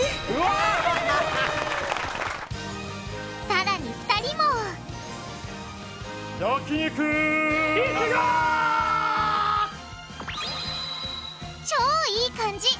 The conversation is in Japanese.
さらに２人も超いい感じ！